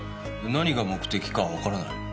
何が目的かわからない。